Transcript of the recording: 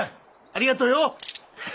ありがとよ！